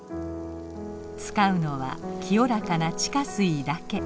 使うのは清らかな地下水だけ。